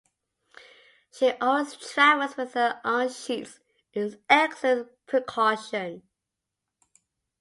She always travels with her own sheets; an excellent precaution.